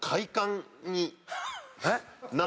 えっ？